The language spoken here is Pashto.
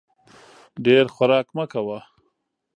ډېر خوراک مه کوه !